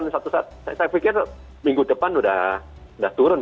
saya pikir minggu depan sudah turun